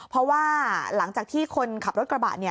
เพราะว่าหลังจากที่คนขับรถกระบะ